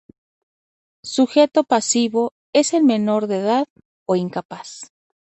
Sujeto pasivo es el "menor de edad o incapaz".